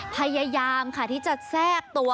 พยายามค่ะที่จะแทรกตัว